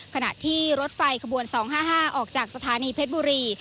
ขณะที่รถไฟขบวน๒๕๕ออกจากสถานีเพชรบุรี